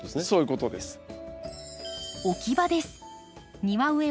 そういうことです。